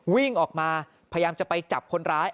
วิ่งออกมาพยายามจะไปจับคนร้าย